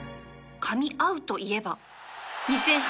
かみ合うといえば